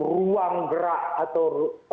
ruang gerak atau